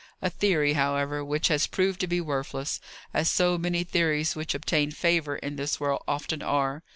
"A theory, however, which has proved to be worthless; as so many theories which obtain favour in this world often are.